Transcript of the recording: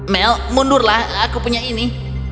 mel mundurlah aku punya ini